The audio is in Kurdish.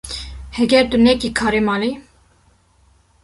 Heger tu nekî karê malê